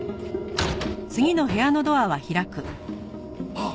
あっ！